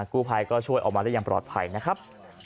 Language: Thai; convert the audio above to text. กู้ภัยก็ช่วยออกมาได้อย่างปลอดภัยนะครับ